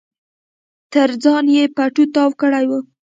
تر ځان يې پټو تاو کړی و.